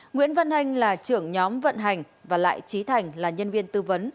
nguyễn văn anh là trưởng nhóm vận hành và lại trí thành là nhân viên tư vấn